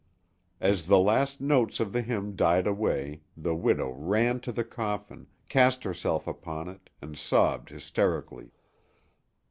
As the last notes of the hymn died away the widow ran to the coffin, cast herself upon it and sobbed hysterically.